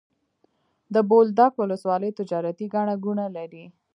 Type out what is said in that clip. د بولدک ولسوالي تجارتي ګڼه ګوڼه لري.